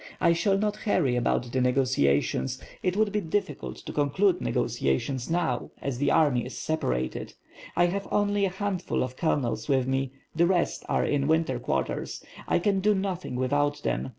I shall not hurry about the negotiations, it would be difficult to conclude negotiations now, as the army is separated; I have only a handful of colonels with me, the rest are in winter quarters; I can do nothing without them.